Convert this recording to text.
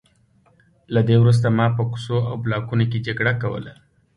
له دې وروسته ما په کوڅو او بلاکونو کې جګړه کوله